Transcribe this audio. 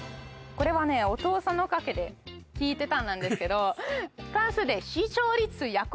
これはねお父さんのおかげで聴いてたなんですけどあっ